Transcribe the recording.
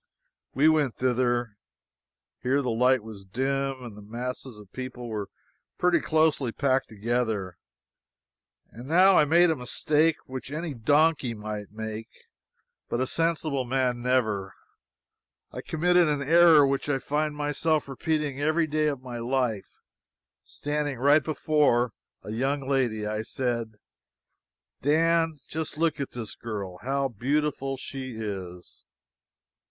We went thither. Here the light was dim, and the masses of people were pretty closely packed together. And now I made a mistake which any donkey might make, but a sensible man never. I committed an error which I find myself repeating every day of my life. Standing right before a young lady, I said: "Dan, just look at this girl, how beautiful she is!"